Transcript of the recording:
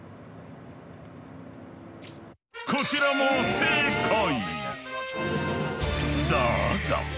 こちらも正解！